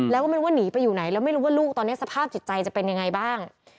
แล้วหนีไปอยู่ในแล้วไม่รู้ว่าลูกตอนแรกสภาพจิตใจจะเป็นอย่างไรบ้าง